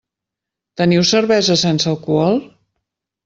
Teniu cervesa sense alcohol?